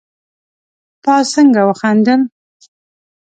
تا څنګه وخندل